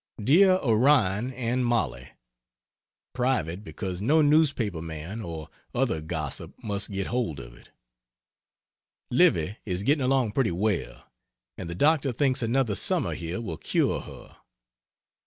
DEAR ORION AND MOLLIE, ("Private" because no newspaper man or other gossip must get hold of it) Livy is getting along pretty well, and the doctor thinks another summer here will cure her.